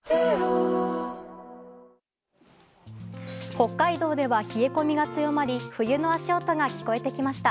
北海道では冷え込みが強まり冬の足音が聞こえてきました。